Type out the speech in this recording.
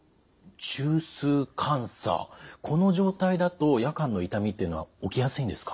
中枢感作この状態だと夜間の痛みっていうのは起きやすいんですか？